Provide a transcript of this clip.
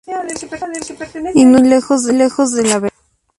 Y no están muy lejos de la verdad.